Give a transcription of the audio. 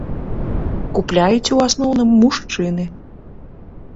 Купляюць у асноўным мужчыны.